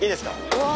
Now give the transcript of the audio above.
うわ！